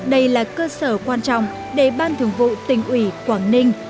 đây là cơ sở quan trọng để ban thường vụ tỉnh ủy quảng ninh